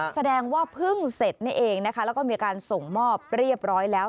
แสดงว่าเพิ่งเสร็จนี่เองนะคะแล้วก็มีการส่งมอบเรียบร้อยแล้ว